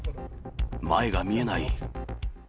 前が見えない。